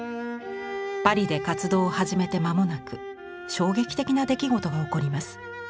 パリで活動を始めて間もなく衝撃的な出来事が起こります。